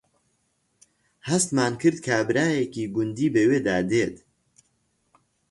هەستمان کرد کابرایەکی گوندی بەوێدا دێت